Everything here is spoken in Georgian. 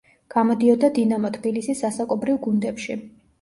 გამოდიოდა „დინამო თბილისის“ ასაკობრივ გუნდებში.